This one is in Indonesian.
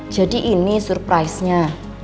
jadi ini surprise nya